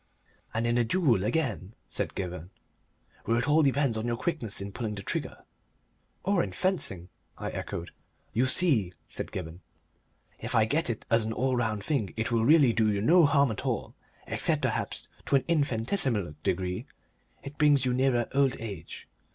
"And in a duel, again," said Gibberne, "where it all depends on your quickness in pulling the trigger." "Or in fencing," I echoed. "You see," said Gibberne, "if I get it as an all round thing it will really do you no harm at all except perhaps to an infinitesimal degree it brings you nearer old age.